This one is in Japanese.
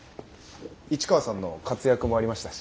市川さんの活躍もありましたし。